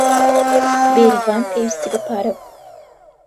بێریڤان پێویستی بە پارە بوو.